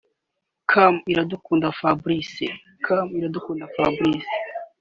cm Iradukunda Fabrice